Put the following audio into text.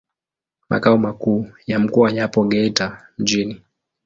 Makao makuu ya mkoa yapo Geita mjini.